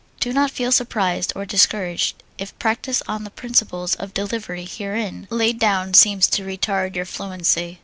Do not feel surprised or discouraged if practise on the principles of delivery herein laid down seems to retard your fluency.